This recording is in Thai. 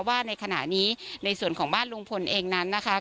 ว่าในขณะนี้ในส่วนของบ้านลุงพลเองนั้นนะคะ